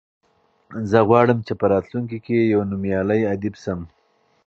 زه غواړم چې په راتلونکي کې یو نومیالی ادیب شم.